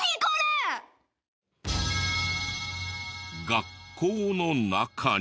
学校の中に。